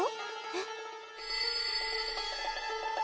えっ。